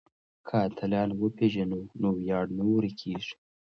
که اتلان وپېژنو نو ویاړ نه ورکيږي.